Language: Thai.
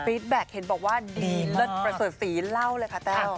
ฟีดแบ็คเห็นบอกว่าดีมากสวยฟีเล่าเลยค่ะแต้ว